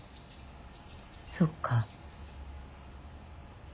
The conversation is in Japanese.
そっか。